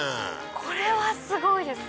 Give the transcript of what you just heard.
これはすごいです！